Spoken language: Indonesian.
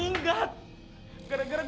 nggak ada sena